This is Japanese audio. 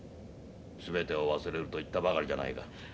「すべてを忘れる」と言ったばかりじゃないか。